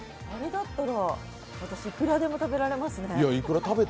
あれだったら私、いくらでも食べられますね。